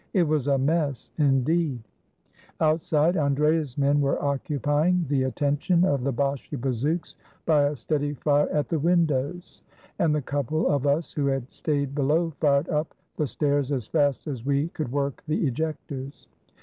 It was a mess, indeed. 430 AN ATTACK ON THE BASHI BAZOUKS Outside, Andrea's men were occupying the attention of the Bashi bazouks by a steady fire at the windows, and the couple of us who had stayed below fired up the stairs as fast as we could work the ejectors.